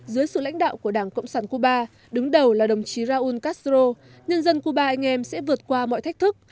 dưới sự lãnh đạo của đảng cộng sản cuba đứng đầu là đồng chí raúl castro nhân dân cuba anh em sẽ vượt qua mọi thách thức